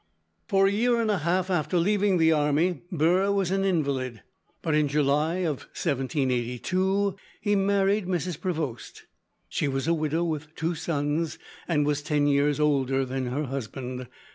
For a year and a half after leaving the army, Burr was an invalid, but in July, 1782, he married Mrs. Prevost. She was a widow with two sons, and was ten years older than her husband.